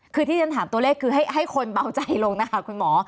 คือที่ฉันถามตัวเลขคือให้คนเบาใจลงนะคะคุณหมอ